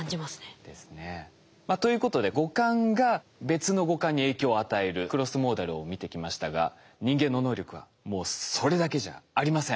ですね。ということで五感が別の五感に影響を与えるクロスモーダルを見てきましたが人間の能力はもうそれだけじゃありません。